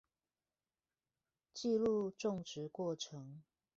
記錄種植過程